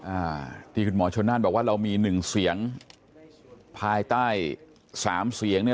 อ่าที่คุณหมอชนนั่นบอกว่าเรามีหนึ่งเสียงภายใต้สามเสียงเนี่ย